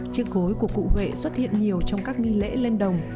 chiếc gối của cụ huệ xuất hiện nhiều trong các nghi lễ lên đồng